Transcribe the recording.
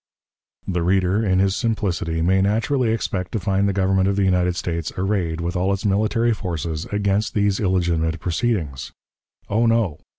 The reader, in his simplicity, may naturally expect to find the Government of the United States arrayed, with all its military forces, against these illegitimate proceedings. Oh, no!